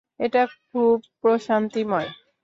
এটা খুব প্রশান্তিময়।